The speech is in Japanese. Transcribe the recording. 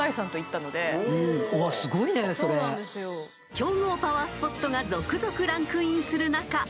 ［強豪パワースポットが続々ランクインする中